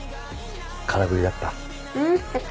空振りだった。